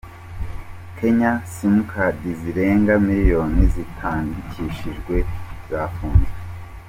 Kenya Simukadi zirenga miliyoni zitandikishijwe zafunzwe